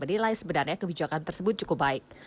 menilai sebenarnya kebijakan tersebut cukup baik